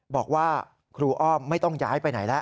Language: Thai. บอกว่าครูอ้อมไม่ต้องย้ายไปไหนแล้ว